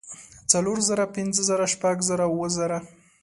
څلور زره پنځۀ زره شپږ زره اووه زره